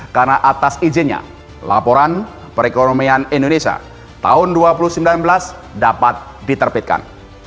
karena atas izinnya laporan perekonomian indonesia tahun dua ribu sembilan belas dapat diterbitkan